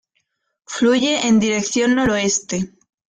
Fluye en dirección noroeste.